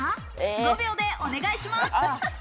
５秒でお願いします。